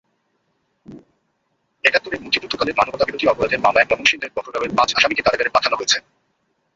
একাত্তরে মুক্তিযুদ্ধকালে মানবতাবিরোধী অপরাধের মামলায় ময়মনসিংহের গফরগাঁওয়ের পাঁচ আসামিকে কারাগারে পাঠানো হয়েছে।